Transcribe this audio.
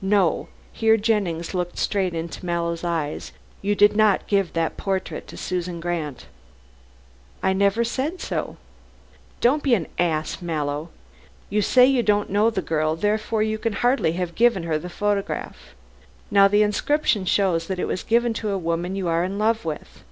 No," here Jennings looked straight into Mallow's eyes, "you did not give that portrait to Susan Grant." "I never said so." "Don't be an ass, Mallow. You say you don't know the girl, therefore you can hardly have given her the photograph. Now the inscription shows that it was given to a woman you are in love with.